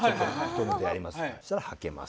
そしたらはけます。